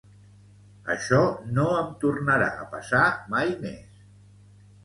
Això no em tornarà a passar mai més.